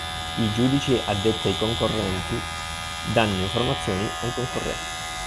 I giudici addetti ai concorrenti danno informazioni ai concorrenti